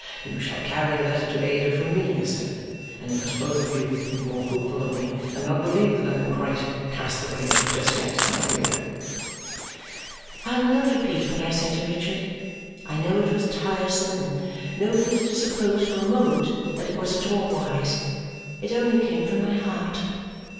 You shall carry a letter to Ada from me, Esther, and you must both of you be more hopeful of me and not believe that I am quite cast away just yet, my dear." I will not repeat what I said to Richard. I know it was tiresome, and nobody is to suppose for a moment that it was at all wise. It only came from my heart.